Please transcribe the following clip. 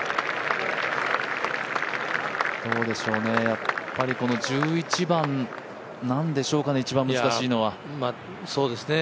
やっぱりこの１１番なんでしょうかね、一番難しいのは。